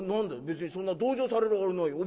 別にそんな同情されるあれないよ。